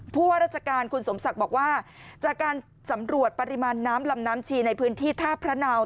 ว่าราชการคุณสมศักดิ์บอกว่าจากการสำรวจปริมาณน้ำลำน้ำชีในพื้นที่ท่าพระนาว